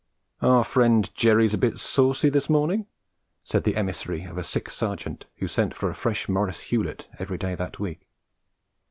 'Our friend Jerry's a bit saucy this morning,' said the emissary of a sick Sergeant who sent for a fresh Maurice Hewlett every day that week.